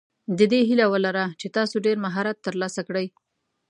د دې هیله ولره چې تاسو ډېر مهارت ترلاسه کړئ.